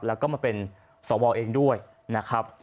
แล้วก็มาเป็นสวเองด้วยนะครับ